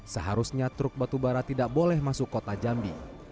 seharusnya truk batubara tidak boleh masuk kota jambi